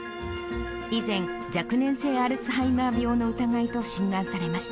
以前、若年性アルツハイマー病の疑いと診断されました。